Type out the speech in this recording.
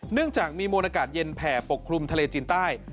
เนื่องจากมีมวลอากาศเย็นแผ่ปกคลุมทะเลจีนใต้